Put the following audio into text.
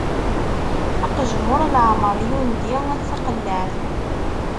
Aqejmuṛ, leɛmeṛ yundi taqellaɛt.